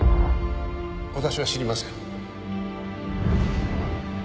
私は知りません